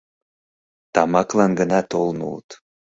Тамаклан гына толын улыт.